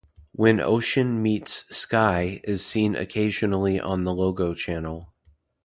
"When Ocean Meets Sky" is seen occasionally on the Logo channel.